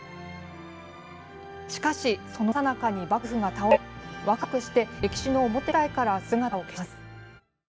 しかし、そのさなかに幕府が倒れ若くして歴史の表舞台から姿を消します。